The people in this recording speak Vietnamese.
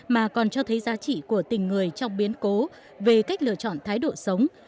mà còn cho thấy giá trị của tình người trong biến cố về cách lựa chọn thái độ sống